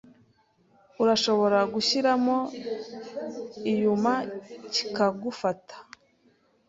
Urashoora gushyiramo iyuma kikagufata